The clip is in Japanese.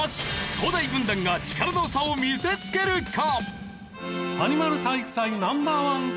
東大軍団が力の差を見せつけるか？